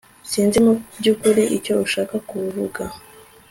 Sinzi mubyukuri icyo ushaka kuvuga